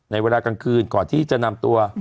เวลากลางคืนก่อนที่จะนำตัว